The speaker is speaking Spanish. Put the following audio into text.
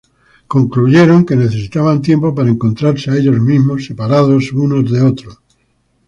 Concluyeron que necesitaban tiempo para "encontrarse a ellos mismos", separados unos de otros.